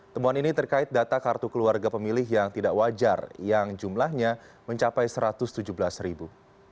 temuan ini terkait data kartu keluarga pemilih yang tidak wajar yang jumlahnya mencapai satu ratus tujuh belas ribu